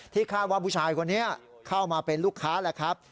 คาดว่าผู้ชายคนนี้เข้ามาเป็นลูกค้าแหละครับ